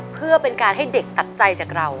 เพื่อเป็นการให้เด็กตัดใจจากเรา